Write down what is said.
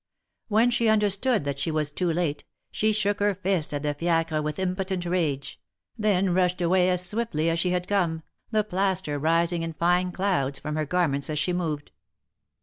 When she understood that she was too late, she shook her fist at the fiacre with im])otent rage, then rushed away as swiftly as she had 306 THE MARKETS OF PARIS. come, the plaster rising in fine clouds from her garments as she moved.